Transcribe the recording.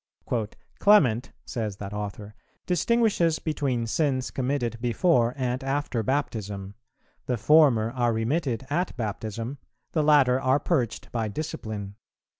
"Clement," says that author, "distinguishes between sins committed before and after baptism: the former are remitted at baptism; the latter are purged by discipline.